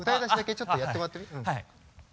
ちょっとやってもらっていい？